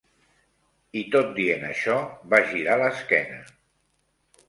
I tot dient això va girar l'esquena